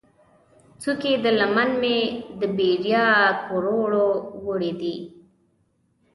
څوکې د لمن مې، د بیدیا کروړو ، وړې دي